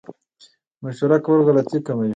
مشوره کول غلطي کموي